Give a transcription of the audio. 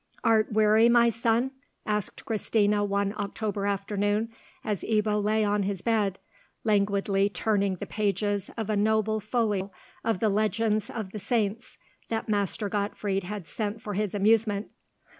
"Art weary, my son?" asked Christina one October afternoon, as Ebbo lay on his bed, languidly turning the pages of a noble folio of the Legends of the Saints that Master Gottfried had sent for his amusement.